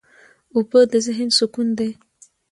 اوبه د ذهن سکون دي.